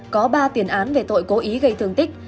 có ba tiền án về tội cố ý gây thương tích